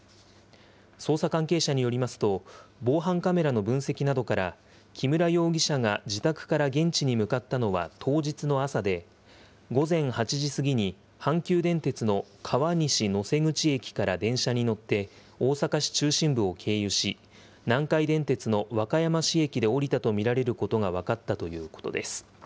捜査関係者によりますと、防犯カメラの分析などから、木村容疑者が自宅から現地に向かったのは当日の朝で、午前８時過ぎに阪急電鉄の川西能勢口駅から電車に乗って大阪市中心部を経由し、南海電鉄の和歌山市駅で降りたと見られることが分かったということです。